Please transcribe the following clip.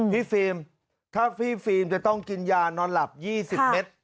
ฟิล์มถ้าพี่ฟิล์มจะต้องกินยานอนหลับ๒๐เมตร